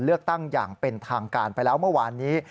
เลือกตั้งอย่างเป็นทางการไปแล้วเมื่อวานนี้